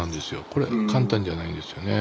これ簡単じゃないですよね。